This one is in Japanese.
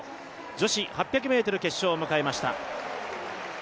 女子８００ｍ決勝を迎えました。